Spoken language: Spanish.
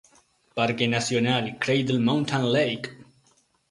Parque nacional Cradle Mountain-Lake St.